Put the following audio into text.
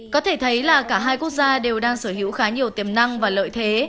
có thể thấy là cả hai quốc gia đều đang sở hữu khá nhiều tiềm năng và lợi thế